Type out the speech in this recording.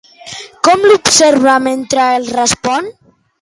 Com l'observa mentre el respon?